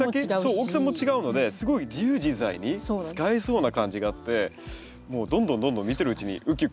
大きさも違うのですごい自由自在に使えそうな感じがあってどんどんどんどん見てるうちにウキウキしてきました。